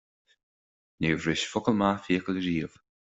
Níor bhris focal maith fiacail riamh